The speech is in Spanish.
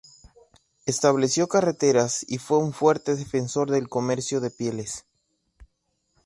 Estableció carreteras y fue un fuerte defensor del comercio de pieles.